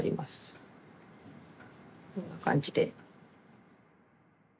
こんな感じで。